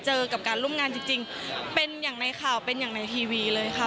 กับการร่วมงานจริงจริงเป็นอย่างในข่าวเป็นอย่างในทีวีเลยค่ะ